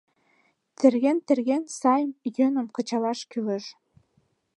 Терген-терген, сайым, йӧным кычалаш кӱлеш.